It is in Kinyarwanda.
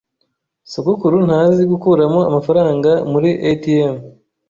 Sogokuru ntazi gukuramo amafaranga muri ATM.